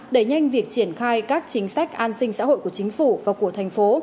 đẩy nhanh việc triển khai các chính sách an sinh xã hội của chính phủ và của thành phố